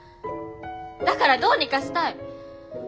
だからどうにかしたい。